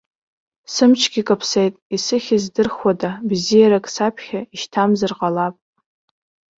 Сымчгьы каԥсеит, исыхьыз здырхуада, бзиарак саԥхьа ишьҭамзар ҟалап.